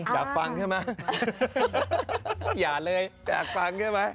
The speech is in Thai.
อยากฟังใช่ไหมอย่าเลยอยากฟังใช่ไหม